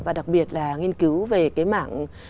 và đặc biệt là nghiên cứu về cái mạng